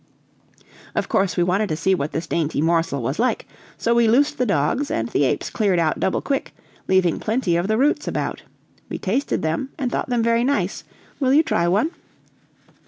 Of course we wanted to see what this dainty morsel was like, so we loosed the dogs, and the apes cleared out double quick, leaving plenty of the roots about. We tasted them, and thought them very nice. Will you try one?"